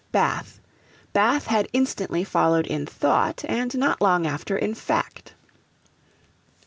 Bath Bath had instantly followed in thought, and not long after in fact.